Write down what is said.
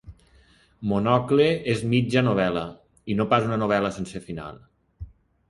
Monocle és mitja novel·la, i no pas una novel·la sense final.